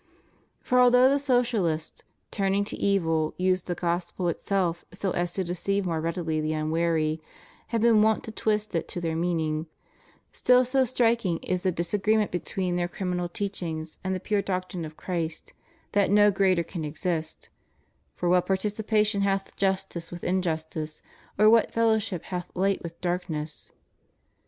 For although the Socialists, turning to evil use the Gospel itself so as to deceive more readily the unwar} , have been wont to twist it to their meaning, still so striking is the disagreement between their criminal teachings and the pure doctrine of Christ, that no greater can exist: For what participation hath justice with injustice, or what fellow ship hath light with darkness?